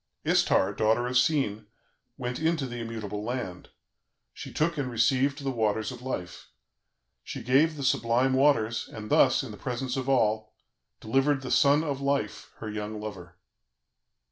"Istar, daughter of Sin, went into the immutable land, she took and received the Waters of Life. She gave the sublime Waters, and thus, in the presence of all, delivered the SON OF LIFE, her young lover."